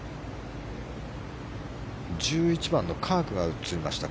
１１番のカークが映りました。